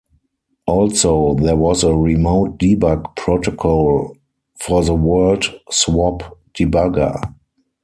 Also, there was a remote debug protocol for the world-swap debugger.